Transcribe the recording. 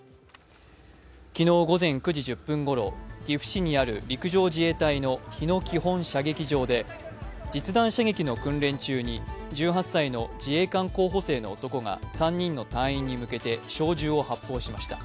昨日午前９時１０分頃岐阜市にある陸上自衛隊の日野基本射撃場で実弾射撃練の訓練中に１８歳の自衛官候補生の男が３人の隊員に向けて小銃を発砲しました。